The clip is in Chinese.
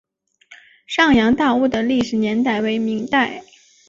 上洋大屋的历史年代为明代。